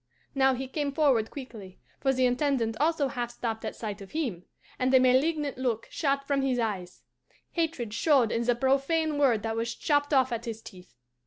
"Now he came forward quickly, for the Intendant also half stopped at sight of him, and a malignant look shot from his eyes; hatred showed in the profane word that was chopped off at his teeth.